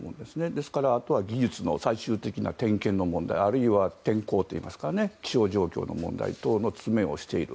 ですから、あとは技術の最終的な点検の問題あるいは天候といいますか気象状況問題等を考えていく。